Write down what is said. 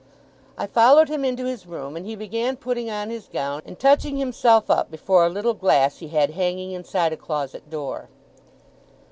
I followed him into his room, and he began putting on his gown, and touching himself up before a little glass he had, hanging inside a closet door.